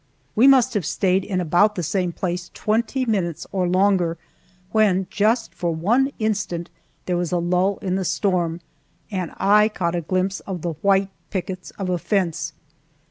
We must have stayed in about the same place twenty minutes or longer, when, just for one instant, there was a lull in the storm, and I caught a glimpse of the white pickets of a fence!